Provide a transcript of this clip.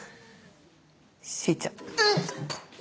しーちゃん。